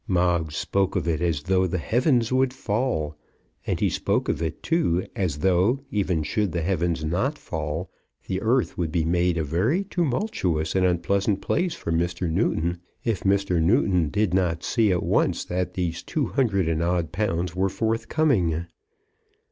Moggs spoke of it as though the heavens would fall; and he spoke of it, too, as though, even should the heavens not fall, the earth would be made a very tumultuous and unpleasant place for Mr. Newton, if Mr. Newton did not see at once that these two hundred and odd pounds were forthcoming.